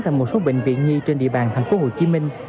tại một số bệnh viện nhi trên địa bàn tp hcm